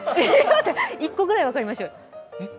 待って、１個ぐらい分かりましょうよ。